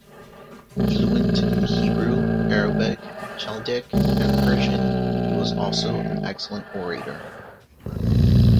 Fluent in Hebrew, Arabic, Chaldaic, and Persian he was also an excellent orator.